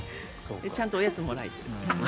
ちゃんとおやつもらえてる。